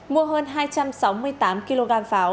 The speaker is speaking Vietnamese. mua hơn hai trăm sáu mươi tám kg pháo